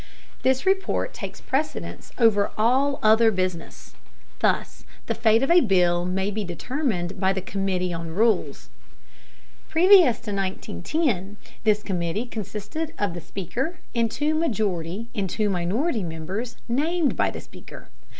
This report takes precedence over all other business. Thus the fate of a bill may be determined by the committee on rules. Previous to 1910 this committee consisted of the Speaker, and two majority and two minority members named by the Speaker.